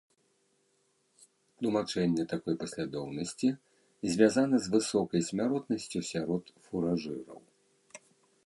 Тлумачэнне такой паслядоўнасці звязана з высокай смяротнасцю сярод фуражыраў.